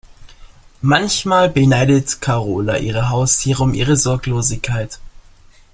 Manchmal beneidet Karola ihre Haustiere um ihre Sorglosigkeit.